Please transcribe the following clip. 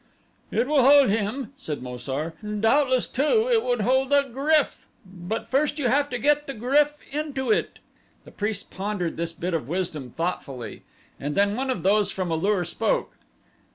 "It will hold him," said Mo sar; "doubtless too it would hold a GRYF, but first you would have to get the GRYF into it." The priests pondered this bit of wisdom thoughtfully and then one of those from A lur spoke.